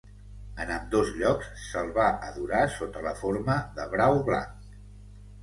En ambdós llocs se'l va adorar sota la forma de brau blanc.